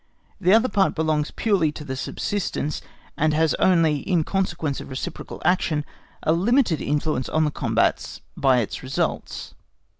The other part belongs purely to the subsistence, and has only, in consequence of the reciprocal action, a limited influence on the combats by its results.